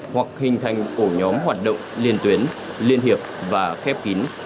hoặc hình thành ổ nhóm hoạt động liên tuyến liên hiệp và khép kín